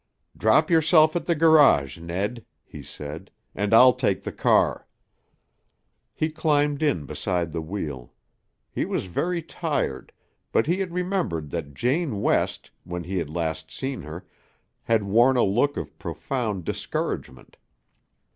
"Drop yourself at the garage, Ned," he said, "and I'll take the car." He climbed in beside the wheel. He was very tired, but he had remembered that Jane West, when he had last seen her, had worn a look of profound discouragement.